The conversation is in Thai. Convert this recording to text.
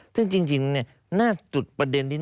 ซึ่งจริงหน้าจุดประเด็นนี้